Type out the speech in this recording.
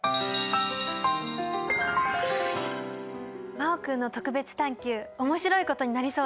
真旺君の特別探究面白いことになりそうです。